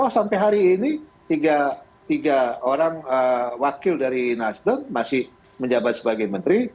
sampai hari ini tiga orang wakil dari nasdem masih menjabat sebagai menteri